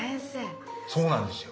そうなんですよ。